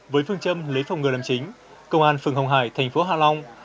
với phương châm lấy phòng ngừa làm chính công an phường hồng hải thành phố hạ long